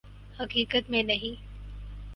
حقیقت میں نہیں